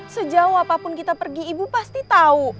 sejauh apapun kita pergi ibu pasti tahu